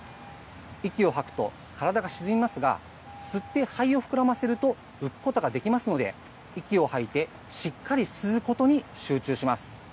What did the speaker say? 息を吐くと体が沈みますが、吸って肺を膨らませると浮くことができますので、息を吐いてしっかり吸うことに集中します。